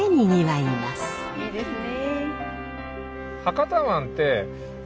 いいですね。